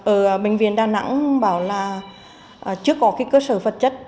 ở bệnh viện đà nẵng bảo là chưa có cơ sở vật chất